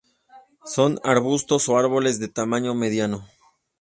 Son arbustos o árboles de tamaño mediano.